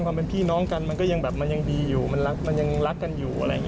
หรือพี่น้องกันก็ยังดีอยู่มันยังรักกันอยู่